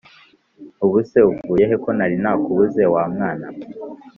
ubu se uvuye he konari nakubuze wa mwana we